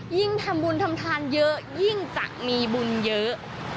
ยิ่งทำบุญทำทานเยอะยิ่งจะมีบุญเยอะ